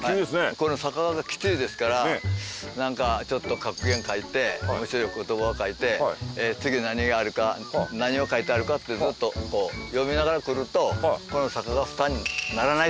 この坂がきついですからなんかちょっと格言書いて面白い言葉を書いて次何があるか何を書いてあるかってずっと読みながら来るとこの坂が負担にならないと。